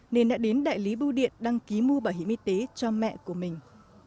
nên đã đến đại lý bưu điện đăng ký mua bảo hiểm y tế cho mẹ của mình